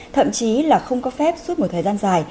thậm chí là không có phép suốt một thời gian dài